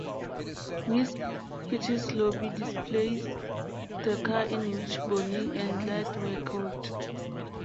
Whiskey Pete's lobby displays the car in which Bonnie and Clyde were killed.